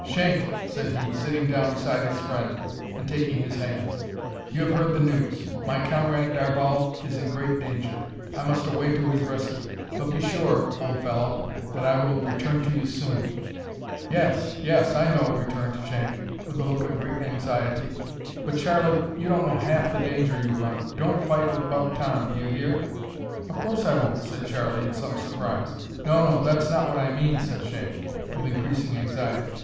"Shank," said he, sitting down beside his friend and taking his hand, "you have heard the news. My comrade Darvall is in great danger. I must away to his rescue. But be sure, old fellow, that I will return to you soon." "Yes, yes I know," returned Shank, with a look of great anxiety; "but, Charlie, you don't know half the danger you run. Don't fight with Buck Tom do you hear?" "Of course I won't," said Charlie, in some surprise. "No, no, that's not what I mean," said Shank, with increasing anxiety.